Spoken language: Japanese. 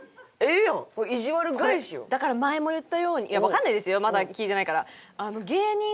だから前も言ったようにいやわかんないですよまだ聞いてないから。